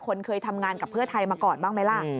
เคยทำงานกับเพื่อไทยมาก่อนบ้างไหมล่ะ